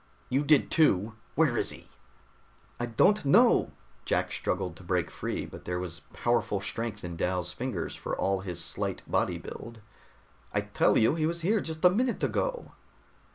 "You did too! Where is he?" "I don't know." Jack struggled to break free, but there was powerful strength in Dal's fingers for all his slight body build. "I tell you, he was here just a minute ago."